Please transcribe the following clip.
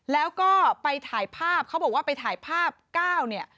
แล้วก็ไปถ่ายภาพเขาบอกว่าไปถ่ายภาพ๙เนี่ย